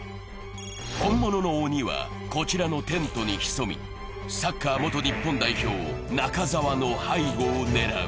本物の鬼はこちらのテントにひそみ、サッカー日本代表・中澤の背後を狙う。